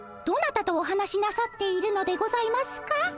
どなたとお話しなさっているのでございますか？